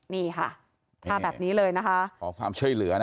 นี่ค่ะท่าแบบนี้เลยนะคะขอความช่วยเหลือนะ